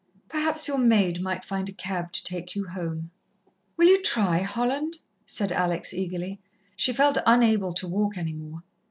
Perhaps your maid might find a cab to take you home." "Will you try, Holland?" said Alex eagerly. She felt unable to walk any more.